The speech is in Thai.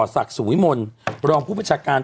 ศักดิ์สุวิมลรองผู้บัญชาการ